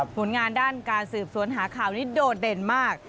ผลงานด้านการสืบสวนหาข่าวนี้โดดเด่นมาก